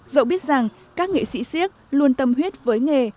dẫu biết rằng các nghệ sĩ siếc luôn tâm huyết với nghề